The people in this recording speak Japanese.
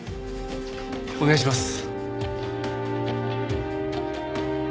お願いします。